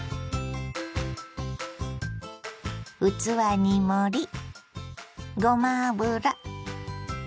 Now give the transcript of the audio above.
器に盛りごま油。